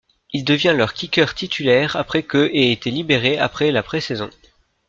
Il devient leur kicker titulaire après que ait été libéré après la pré-saison.